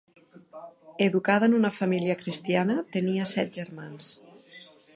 Educada en una família cristiana, tenia set germans.